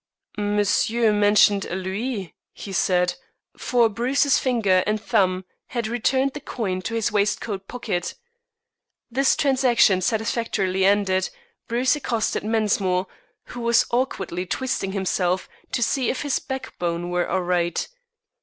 "Monsieur mentioned a louis," he said, for Bruce's finger and thumb had returned the coin to his waistcoat pocket. This transaction satisfactorily ended, Bruce accosted Mensmore, who was awkwardly twisting himself to see if his backbone were all right.